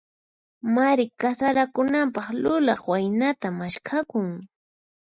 Mari kasarakunanpaq, lulaq waynata maskhakun.